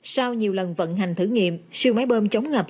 sau nhiều lần vận hành thử nghiệm siêu máy bơm chống ngập